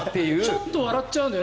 ちょっと笑っちゃうんだよね。